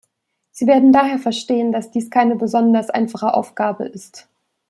Sie werden daher verstehen, dass dies keine besonders einfache Aufgabe ist.